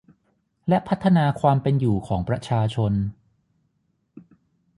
และพัฒนาความเป็นอยู่ของประชาชน